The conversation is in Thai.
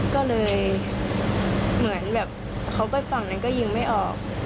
ก็เลยเหมือนแบบเขาไปฝั่งนั้นก็ยิงไม่ออก